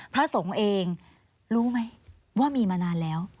พระสงฆ์เองรู้ไหมว่ามีมานานแล้ว